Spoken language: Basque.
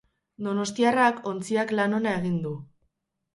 Donostiarrak ontziak lan ona egin du.